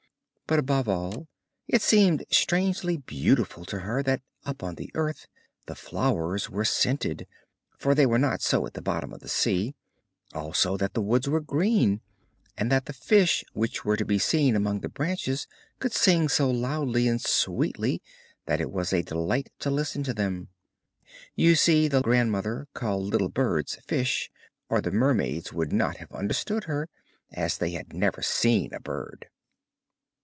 But above all it seemed strangely beautiful to her that up on the earth the flowers were scented, for they were not so at the bottom of the sea; also that the woods were green, and that the fish which were to be seen among the branches could sing so loudly and sweetly that it was a delight to listen to them. You see the grandmother called little birds fish, or the mermaids would not have understood her, as they had never seen a bird.